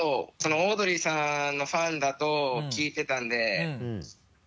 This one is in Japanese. オードリーさんのファンだと聞いてたんで。